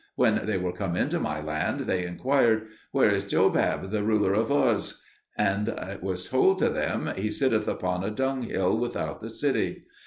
When they were come into my land they inquired, "Where is Jobab, the ruler of Uz?" And it was told them, "He sitteth upon a dunghill without the city."